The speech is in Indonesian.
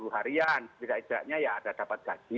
sepuluh harian tidak ajaknya ya ada dapat gaji